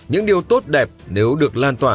những điều tốt đẹp nếu được lan tỏa